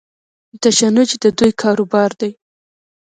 تشنج د دوی کاروبار دی.